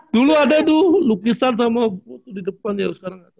dulu ada tuh lukisan sama foto di depan ya sekarang gak tau